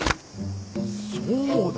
そうだ！